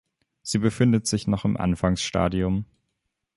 Sie befindet sich noch im Anfangsstadium.